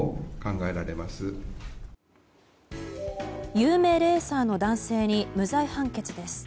有名レーサーの男性に無罪判決です。